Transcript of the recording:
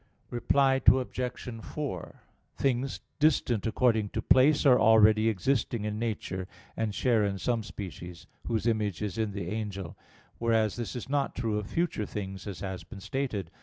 Reply Obj. 4: Things distant according to place are already existing in nature; and share in some species, whose image is in the angel; whereas this is not true of future things, as has been stated.